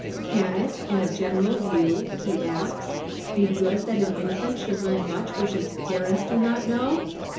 "Can it, in a general view," he asks, "be good that an infant should learn much which its _parents do not know?